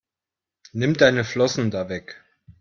Nimm deine Flossen da weg!